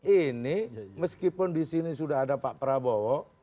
ini meskipun disini sudah ada pak prabowo